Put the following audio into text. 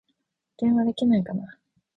電話できないかな